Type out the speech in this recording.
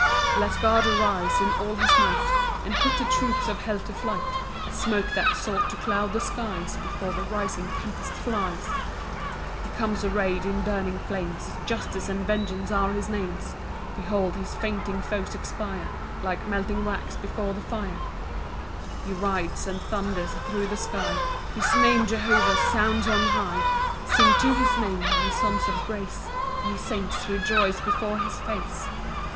1 Let God arise in all his might, And put the troops of hell to flight, As smoke that sought to cloud the skies Before the rising tempest flies. 2 [He comes array'd in burning flames; Justice and vengeance are his names: Behold his fainting foes expire Like melting wax before the fire.] 3 He rides and thunders thro' the sky; His name Jehovah sounds on high: Sing to his Name, ye sons of grace; Ye saints, rejoice before his face.